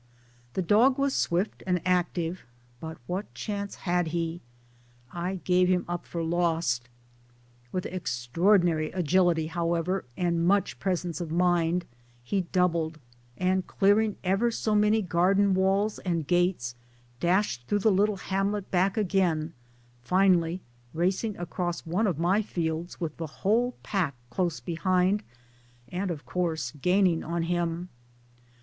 The dog was swift and active, but what chance had he? I gave him up for lost. With extraordinary agility however and much presence of mind he doubled and, clearing ever so many garden walls and gates, dashed through the little hamlet back again, finally racing across one of my fields with the whole pack close behind and of course gaining on him.